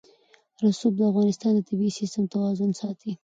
رسوب د افغانستان د طبعي سیسټم توازن ساتي.